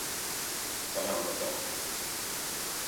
Sana anlatamam.